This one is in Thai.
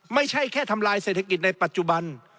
ไม่ใช่แค่ทำลายเศรษฐกิจในปัจจุบัน